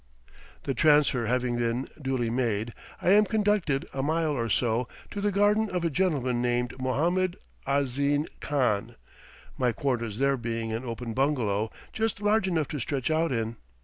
The transfer having been duly made, I am conducted, a mile or so, to the garden of a gentleman named Mohammed Ahziin Khan, my quarters there being an open bungalow just large enough to stretch out in.